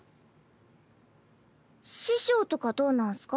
師匠とかどうなんっスか？